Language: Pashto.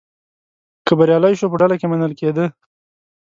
که بریالی شو په ډله کې منل کېدی.